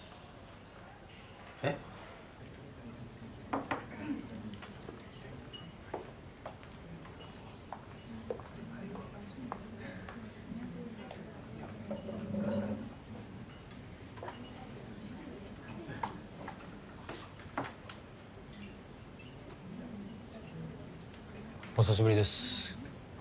えっ？お久しぶりです。